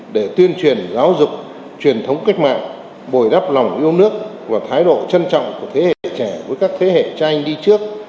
để tuyên truyền giáo dục truyền thống cách mạng bồi đắp lòng yêu nước và thái độ trân trọng của thế hệ trẻ với các thế hệ cha anh đi trước